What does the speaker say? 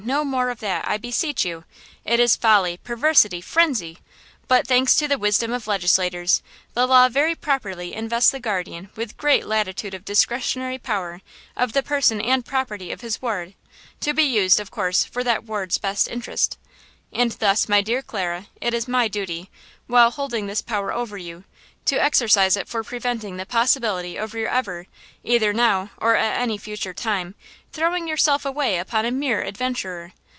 no more of that, I beseech you! It is folly, perversity, frenzy! But, thanks to the wisdom of legislators, the law very properly invests the guardian with great latitude of discretionary power of the person and property of his ward–to be used, of course, for that ward's best interest. And thus, my dear Clara, it is my duty, while holding this power over you, to exercise it for preventing the possibility of your ever–either now or at any future time, throwing yourself away upon a mere adventurer.